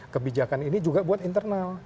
kebijakan ini juga buat internal